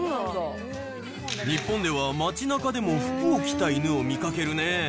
日本では街なかでも服を着た犬を見かけるね。